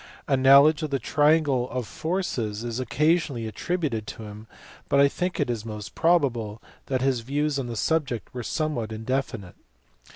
A knowledge of the triangle of forces is occasionally attributed to him, but I think it is most probable that his views on the subject were some what indefinite.